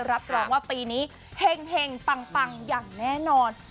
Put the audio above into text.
รับรองว่าปีนี้เห็งปังอย่างแน่นอน